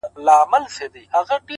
جنگ دی سوله نه اكثر!